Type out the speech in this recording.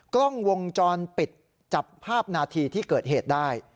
กล้องวงจรปิดจับภาพนาทีที่เกิดเหตุได้